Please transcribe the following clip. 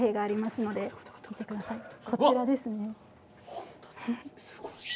本当だすごい。